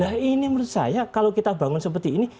nah ini menurut saya kalau kita bangun seperti ini